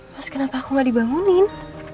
pas kenapa aku gak dibangunin